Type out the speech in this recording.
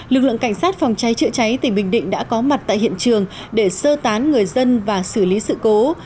lực lượng cảnh sát phòng cháy chữa cháy tỉnh bình định đã có mặt tại hiện trường để sơ tán người dân và xử lý sự cố